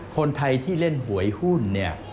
คนไทยที่เล่นหวยหุ้น